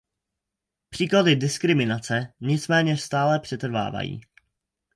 Příklady diskriminace nicméně stále přetrvávají.